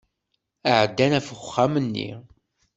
Ɛeddan ɣef uxxam-nni.